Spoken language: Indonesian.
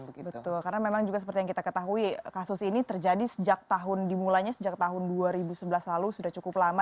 betul karena memang juga seperti yang kita ketahui kasus ini terjadi sejak tahun dimulainya sejak tahun dua ribu sebelas lalu sudah cukup lama